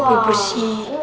pip empur persi